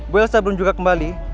bu elsa belum juga kembali